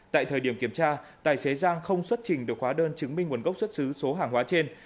tại thời điểm kiểm tra tài xế giang không xuất trình được hóa đơn chứng minh nguồn gốc xuất xứ số hàng hóa trên